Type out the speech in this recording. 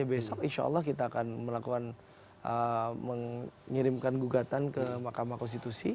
besok insya allah kita akan melakukan mengirimkan gugatan ke mahkamah konstitusi